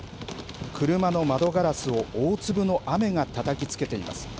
車の窓ガラスを大粒の雨がたたきつけています。